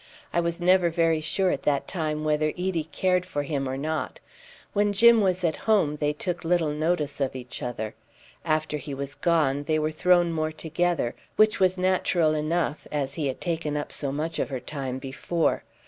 I was never very sure at that time whether Edie cared for him or not. When Jim was at home they took little notice of each other. After he was gone they were thrown more together, which was natural enough, as he had taken up so much of her time before.